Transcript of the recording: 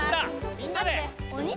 みんなで。